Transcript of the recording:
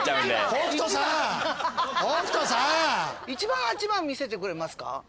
１番８番見せてくれますか？